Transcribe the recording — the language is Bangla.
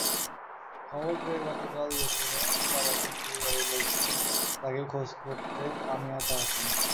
খবর পেয়ে গতকাল দুপুরে চালকের পরিবারের লোকজন তাঁকে খোঁজ করতে পানিহাতা আসেন।